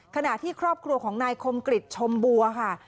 ขณะที่ครอบครัวของนายคมกริจชมบัวค่ะ